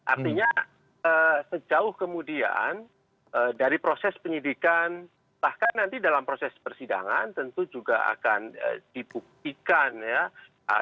artinya sejauh kemudian dari proses penyidikan bahkan nanti dalam proses persidangan tentu juga akan dibuktikan ya